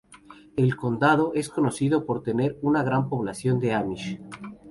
El condado es conocido por tener una gran población de Amish.